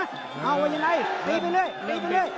ตอนนี้มันถึง๓